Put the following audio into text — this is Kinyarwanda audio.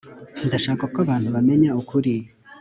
ndashaka ko abantu bamenya ukuri